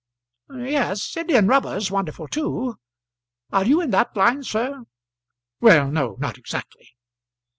"Yes; indian rubber's wonderful too. Are you in that line, sir?" "Well; no; not exactly."